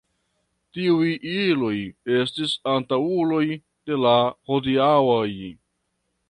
Tiuj iloj estis antaŭuloj de la hodiaŭaj.